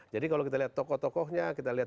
jadi kalau kita lihat tokoh tokohnya